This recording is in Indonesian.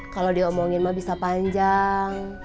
kalau diomongin mah bisa panjang